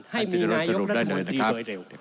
ให้มีนายกรัฐมนตรีโดยเร็ว